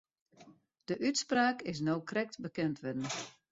De útspraak is no krekt bekend wurden.